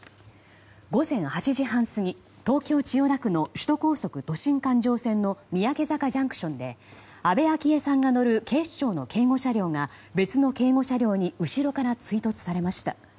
午前８時半過ぎ東京・千代田区の首都高速都心環状線の三宅坂ＪＣＴで安倍昭恵さんが乗る警視庁の警護車両が別の警護車両に後ろから追突されました。